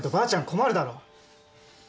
困るだろ。